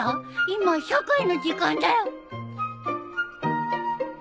今社会の時間だよ！